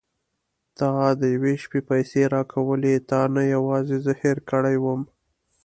تا د یوې شپې پيسې راکولې تا نه یوازې زه هېره کړې وم.